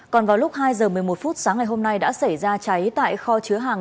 còn vào lúc hai giờ một mươi một phút sáng ngày hôm nay đã xảy ra cháy tại kho chứa hàng